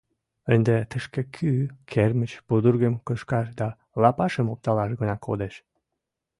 Ынде тышке кӱ, кермыч пудыргым кышкаш да лапашым опталаш гына кодеш.